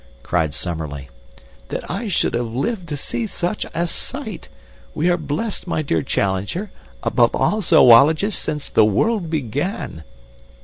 cried Summerlee. "That I should have lived to see such a sight! We are blessed, my dear Challenger, above all zoologists since the world began!"